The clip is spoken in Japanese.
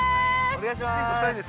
◆お願いしまーす。